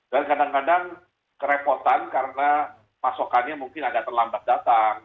dan kadang kadang kerepotan karena pasokannya mungkin agak terlambat datang